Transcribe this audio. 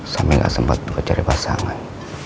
sampe gak sempet bercerai pasangan